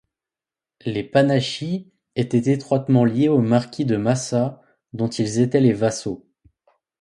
Les Pinaschi étaient étroitement liés aux marquis de Massa dont ils étaient les vassaux.